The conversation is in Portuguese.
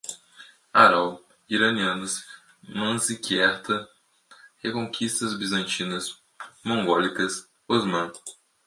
Aral, iranianas, Manziquerta, reconquistas bizantinas, mongólicas, Osmã